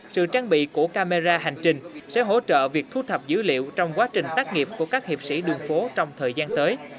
sự trang bị của camera hành trình sẽ hỗ trợ việc thu thập dữ liệu trong quá trình tác nghiệp của các hiệp sĩ đường phố trong thời gian tới